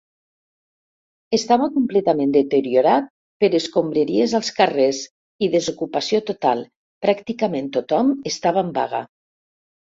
Estava completament deteriorat per escombraries als carrers i desocupació total, pràcticament tothom estava en vaga.